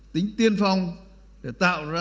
tính tiên phong để tạo ra